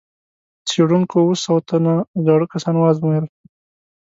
څېړونکو اووه سوه تنه زاړه کسان وازمویل.